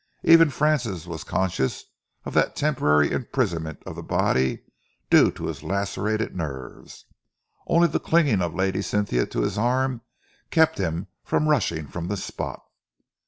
Even Francis was conscious of that temporary imprisonment of the body due to his lacerated nerves. Only the clinging of Lady Cynthia to his arm kept him from rushing from the spot.